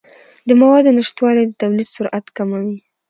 د موادو نشتوالی د تولید سرعت کموي.